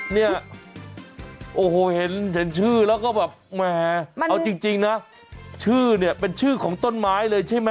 เนี่ยโอ้โหเห็นชื่อแล้วก็แบบแหมเอาจริงนะชื่อเนี่ยเป็นชื่อของต้นไม้เลยใช่ไหม